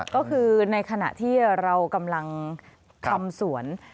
ก็คือในขณะที่เรากำลังทำสวน